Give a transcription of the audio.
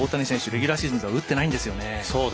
レギュラーシーズンでは打ってないんですよね。